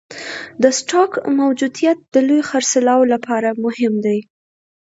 د سټوک موجودیت د لوی خرڅلاو لپاره مهم دی.